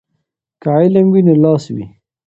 که علم وي نو لاس وي.